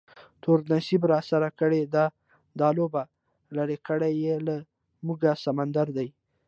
تور نصیب راسره کړې ده دا لوبه، لرې کړی یې له موږه سمندر دی